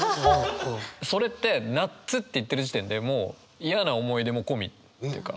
それって「なっつ」って言ってる時点でもう嫌な思い出も込みっていうか。